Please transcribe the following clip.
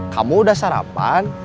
kamu udah sarapan